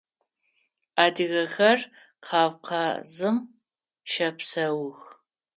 Адыгэхэр Кавказым щэпсэух.